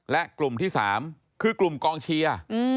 และกลุ่มที่๓คือกลุ่มกองเชียร์